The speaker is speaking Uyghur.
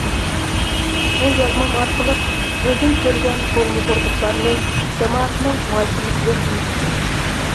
بۇ يازمام ئارقىلىق ئۆزۈم كۆرگەن بولمىغۇرلۇقلارنى جامائەتنىڭ مۇھاكىمىسىگە سۇنماقچىمەن.